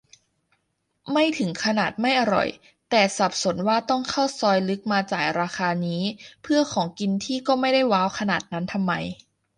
ไม่ถึงขนาดไม่อร่อย แต่สับสนว่า ต้องเข้าซอยลึกมาจ่ายราคานี้ เพื่อกินของที่ก็ไม่ได้ว้าวขนาดนั้นทำไม